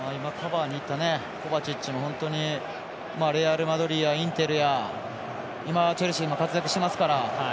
カバーに行ったコバチッチも本当にレアルマドリードやインテルや今はチェルシーでも活躍してますから。